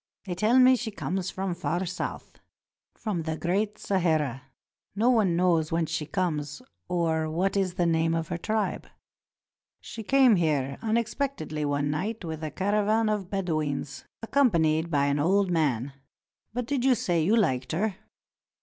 They tell me she comes from far south — from the Great Sahara. No one knows whence she comes, or what is the name of her tribe. She came here unexpectedly one night with a caravan of Bedouins, accompanied by an old man. But did you say you liked her?